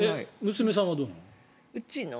娘さんはどうなの？